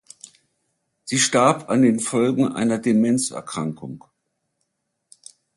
Sie starb an den Folgen einer Demenz-Erkrankung.